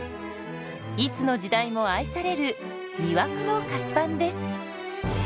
いつの時代も愛される魅惑の菓子パンです。